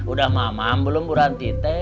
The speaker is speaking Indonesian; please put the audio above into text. udah mamam belum buranti teh